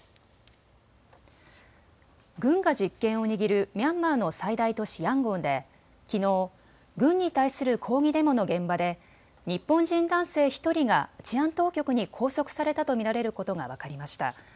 軍が実権を握るミャンマーの最大都市ヤンゴンできのう軍に対する抗議デモの現場で日本人男性１人が治安当局に拘束されたと見られることが分かりました。